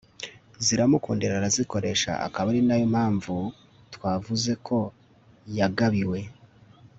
ziramukundira arazikoresha akaba ari na yo mpamvu twavuze koyagabiwe